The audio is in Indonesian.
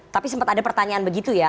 tapi sempat ada pertanyaan begitu ya